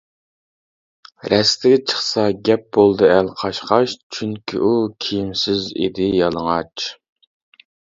رەستىگە چىقسا گەپ بولدى ئەل قاچ-قاچ، چۈنكى ئۇ كىيىمسىز ئىدى يالىڭاچ.